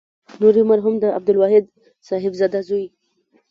نوري مرحوم د عبدالواحد صاحبزاده زوی.